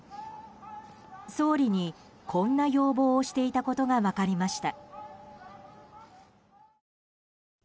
総理に、こんな要望をしていたことが分かりました。